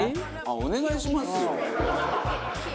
「お願いしますよ」